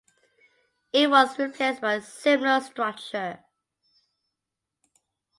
It was replaced by a similar structure.